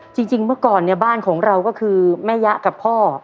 จริงเมื่อก่อนเนี่ยบ้านของเราก็คือแม่ยะกับพ่อ